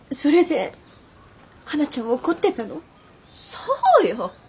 そうよ！